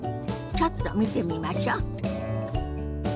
ちょっと見てみましょ。